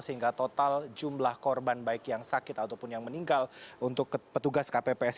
sehingga total jumlah korban baik yang sakit ataupun yang meninggal untuk petugas kpps